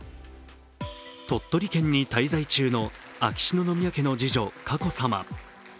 鳥取県に滞在中の秋篠宮家の次女・佳子さま。